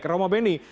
kalau mau benny